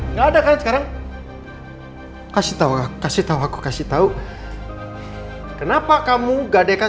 nggak ada kan sekarang kasih tahu kasih tahu aku kasih tahu kenapa kamu gadekan